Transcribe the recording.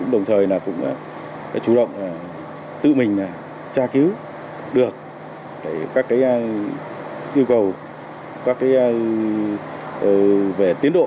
đồng thời cũng chủ động tự mình tra cứu được các yêu cầu về tiến độ